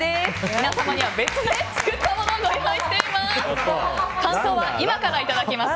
皆様には別で作ったものをご用意しています。